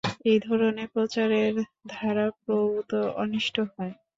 এই ধরনের প্রচারের দ্বারা প্রভূত অনিষ্ট হয়।